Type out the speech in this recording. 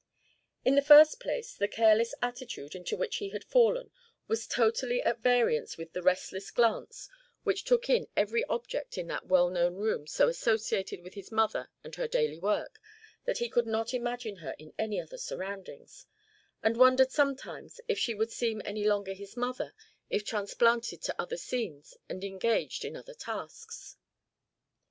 In the first place, the careless attitude into which he had fallen was totally at variance with the restless glance which took in every object in that well known room so associated with his mother and her daily work that he could not imagine her in any other surroundings, and wondered sometimes if she would seem any longer his mother if transplanted to other scenes and engaged in other tasks.